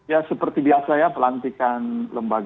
ya seperti biasa ya pelantikan lembaga